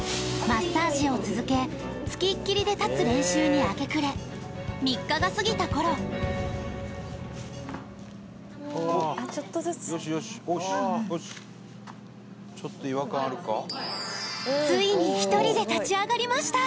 マッサージを続けつきっきりで立つ練習に明け暮れ３日が過ぎた頃ついにひとりで立ち上がりました